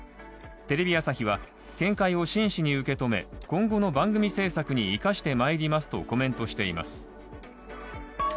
テレビ朝日は、見解を真摯に受け止め、今後の番組制作に生かしてまいりますとコメントしています。